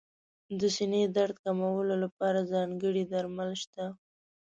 د سینې درد کمولو لپاره ځانګړي درمل شته.